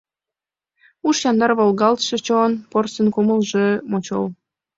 Уш яндар, волгалтше чон, Порсын кумылжо мочол!